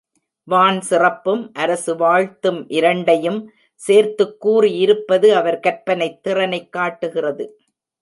வான் சிறப்பும் அரசு வாழ்த்தும் இரண்டையும் சேர்த்துக் கூறி இருப்பது அவர் கற்பனைத் திறனைக் காட்டுகிறது.